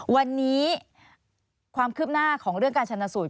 วันนี้ความคืบหน้าของเรื่องการชนะสูตร